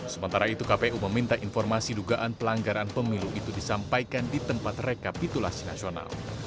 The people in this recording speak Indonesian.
sementara itu kpu meminta informasi dugaan pelanggaran pemilu itu disampaikan di tempat rekapitulasi nasional